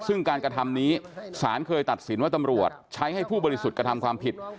ซึ่งการกระทำนี้สารเคยตัดสินว่าตำรวจใช้ให้ผู้บริสุทธิ์กระทำความผิด